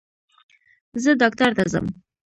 زه ډاکټر ته ځم